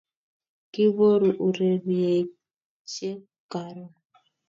Kiboru ureriosiek karon